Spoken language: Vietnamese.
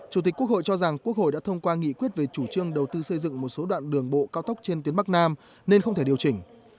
chủ tịch quốc hội cho rằng quốc hội đã thông qua nghị quyết về chủ trương đầu tư xây dựng một số đoạn đường bộ cao tốc trên tuyến bắc nam nên không thể điều chỉnh